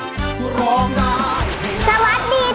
สวัสดีเจ้า